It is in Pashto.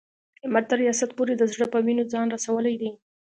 احمد تر ریاست پورې د زړه په وینو ځان رسولی دی.